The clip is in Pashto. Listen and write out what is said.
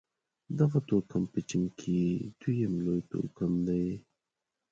دغه توکم په چين کې دویم لوی توکم دی.